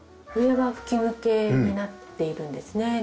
上は吹き抜けになっているんですね。